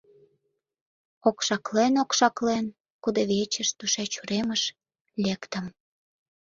Окшаклен-окшаклен, кудывечыш, тушеч уремыш лектым.